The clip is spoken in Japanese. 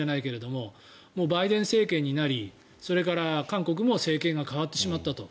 もうバイデン政権になりそれから、韓国も政権が代わってしまったと。